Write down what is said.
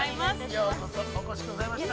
◆ようこそ、お越しくださいました。